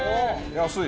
安い。